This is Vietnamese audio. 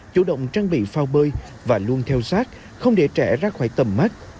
chủ động trang bị phao bơi và luôn theo sát không để trẻ rác hoài tầm mắt